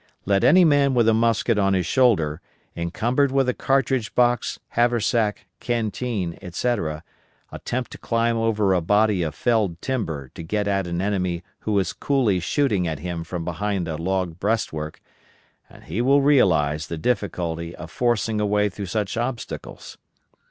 Let any man with a musket on his shoulder, encumbered with a cartridge box, haversack, canteen, etc., attempt to climb over a body of felled timber to get at an enemy who is coolly shooting at him from behind a log breastwork, and he will realize the difficulty of forcing a way through such obstacles.